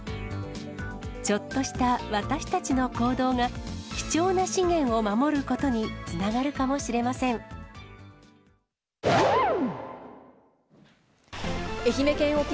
ちょっとした私たちの行動が、貴重な資源を守ることにつながるかもしれません。